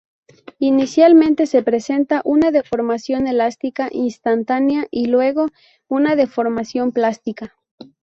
Inicialmente se presenta una deformación elástica instantánea y luego una deformación plástica.